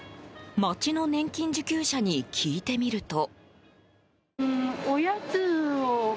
街の年金受給者に聞いてみると。